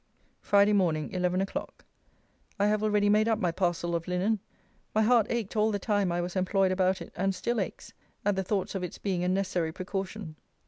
FRIDAY MORNING, ELEVEN O'CLOCK. I have already made up my parcel of linen. My heart ached all the time I was employed about it; and still aches, at the thoughts of its being a necessary precaution.